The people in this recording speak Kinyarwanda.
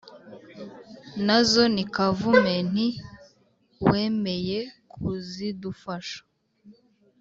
Nazo ni Kavumenti wemeye kuzidufasha